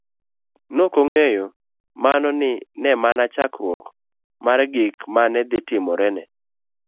Nokong'eyo mano ne mana chakruok mar gik mane dhi timore ne.